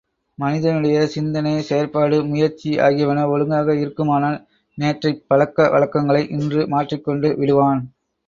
மனிதனுடைய சிந்தனை செயற்பாடு முயற்சி ஆகியன ஒழுங்காக இருக்குமானால் நேற்றைப் பழக்க வழக்கங்களை இன்று மாற்றிக் கொண்டு விடுவான்.